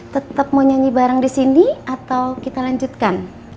tetap mau nyanyi bareng di sini atau kita lanjutkan